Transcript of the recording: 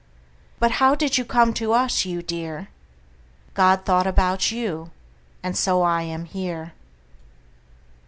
But how did you come to us, you dear? God thought about you, and so I am here.